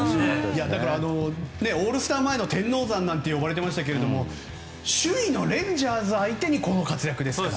オールスター前の天王山なんていわれていましたけど首位のレンジャーズ相手にこの活躍ですからね。